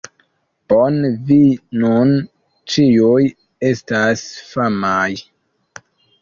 Bone, vi nun ĉiuj estas famaj